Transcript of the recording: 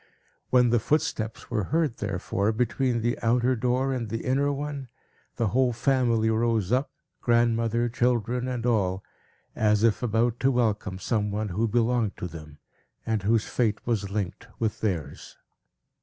When the footsteps were heard, therefore, between the outer door and the inner one, the whole family rose up, grandmother, children, and all, as if about to welcome some one who belonged to them, and whose fate was linked with theirs.